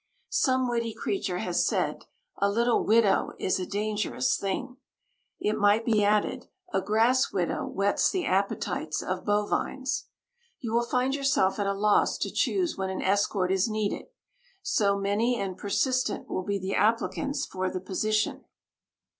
Some witty creature has said, "A little widow is a dangerous thing." It might be added, "A grass widow whets the appetites of bovines". You will find yourself at a loss to choose when an escort is needed, so many and persistent will be the applicants for the position.